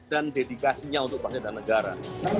dan dedikasinya untuk bangsa dan negara